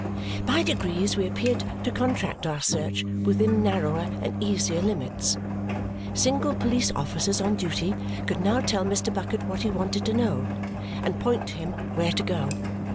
By degrees we appeared to contract our search within narrower and easier limits. Single police officers on duty could now tell Mr. Bucket what he wanted to know and point to him where to go.